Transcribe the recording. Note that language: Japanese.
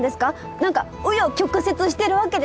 なんか紆余曲折してるわけですか？